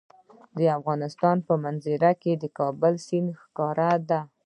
د افغانستان په منظره کې د کابل سیند ښکاره ده.